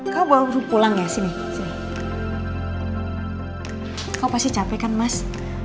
kau pasti capek kan mas